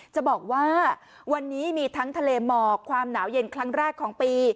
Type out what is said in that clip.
จะบอกว่าวันนี้มีทั้งทะเลหมอกความหนาวเย็นครั้งแรกของปี